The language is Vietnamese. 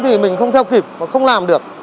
thì mình không theo kịp và không làm được